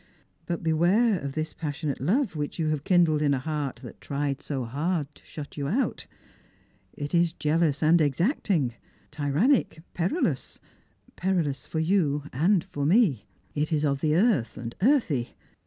But beware of this passionate love which you have kindled in a heart that tried so hard to shut you out. It is jealous and exacting, tyrannic, perilous — perilous for you and for me. It is of the earth, earthy.